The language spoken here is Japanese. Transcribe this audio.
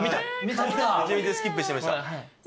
めちゃめちゃスキップしてました。